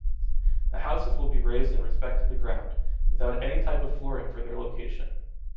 The houses will be raised in respect to the ground, without any type of flooring for their location.